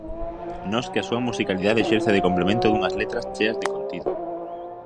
Nos que a súa musicalidade exerce de complemento dunhas letras cheas de contido.